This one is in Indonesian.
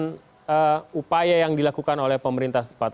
dan upaya yang dilakukan oleh pemerintah sempat